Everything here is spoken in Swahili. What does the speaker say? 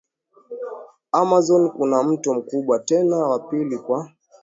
Amazon kuna mto mkubwa tena wa pili kwa